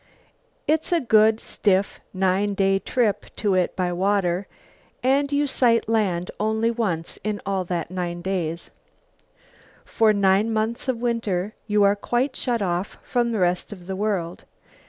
It's a good stiff nine day trip to it by water and you sight land only once in all that nine days. For nine months of winter you are quite shut off from the rest of the world.